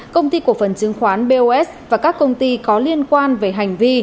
công ty cổ phần chứng khoán bos và các công ty có liên quan về hành vi